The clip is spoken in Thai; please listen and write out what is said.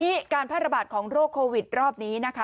นี่การแพร่ระบาดของโรคโควิดรอบนี้นะคะ